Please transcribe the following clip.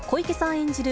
演じる